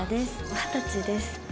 二十歳です。